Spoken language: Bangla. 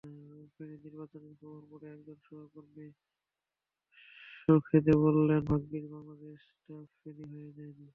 ফেনীর নির্বাচনের খবর পড়ে একজন সহকর্মী সখেদে বললেন, ভাগ্যিস বাংলাদেশটা ফেনী হয়ে যায়নি।